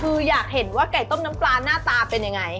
คืออยากเห็นว่าไก่ต้มน้ำปลาหน้าตาเป็นยังไง